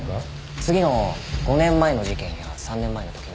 次の５年前の事件や３年前の時には。